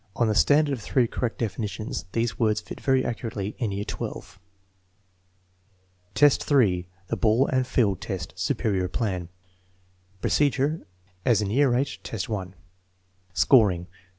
On the standard of three correct definitions, these words fit very accurately in year XII. XII, 3* The ball and field test (superior plan) Procedure, as in year YEQ, test 1. Scoring.